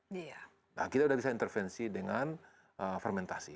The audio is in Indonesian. nah kita sudah bisa intervensi dengan fermentasi